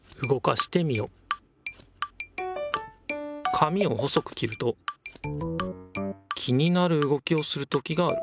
紙を細く切ると気になるうごきをする時がある。